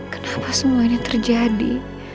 kenapa semuanya terjadi